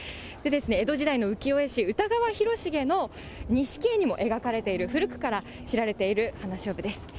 江戸時代の浮世絵師、歌川広重の錦絵にも描かれている古くから知られている花しょうぶです。